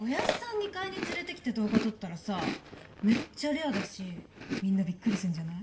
２階に連れてきて動画撮ったらさめっちゃレアだしみんなビックリすんじゃない？